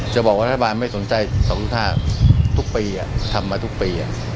จะบอกว่าถ้าบ้านไม่สนใจสรุปท่าทุกปีอ่ะทำมาทุกปีอ่ะ